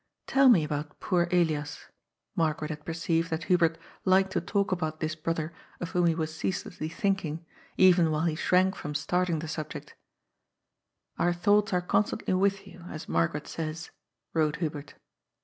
" Tell me about poor Elias." Margaret had perceived that Hubert liked to talk about this brother of whom he was ceaselessly thinking, even while he shrank from starting the subject. "Our thoughts are constantly with you, as Margaret says," wrote Hubert.